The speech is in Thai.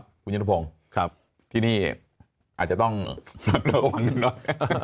ครับคุณเย็นตะพรงค์ที่นี่อาจจะต้องระวังหนึ่งน้อย